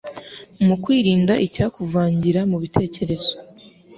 mu kwirinda icyakuvangira mu bitekerezo